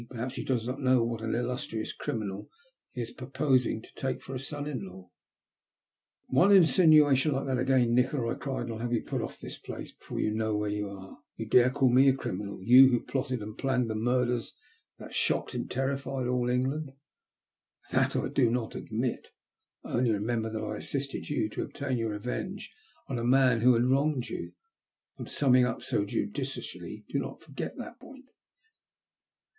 Perhaps he does not know what an illustrious criminal he is purposing to take for a son in law." 280 THE LUST OF HATE. One insinoation like that again, Nikola," I cried, '' and 1*11 have you put off this place before you know where you are. You dare to call me a criminal — y{n&, who plotted and planned the murders that shocked and terrified all England !'' That I do not admit. I only remember that I assisted you to obtain your revenge on a man who had wronged you. On summing up so judiciously, pray do not forget that point."